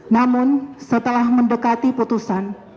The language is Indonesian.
namun setelah mendekati putusan